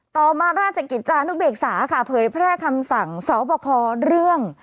ต่อมาราชกิจจานุเบกษาค่ะเผยแพร่คำสั่งสอบคอเรื่อง